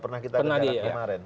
pernah kita dengar kemarin